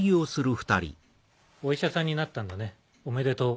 お医者さんになったんだねおめでとう。